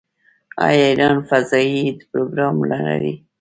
آیا ایران فضايي پروګرام نلري؟